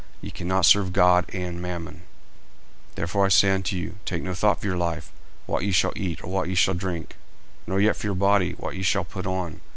Ye cannot serve God and mammon. 40:006:025 Therefore I say unto you, Take no thought for your life, what ye shall eat, or what ye shall drink; nor yet for your body, what ye shall put on.